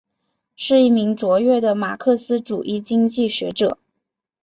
是一名卓越的马克思主义经济学者。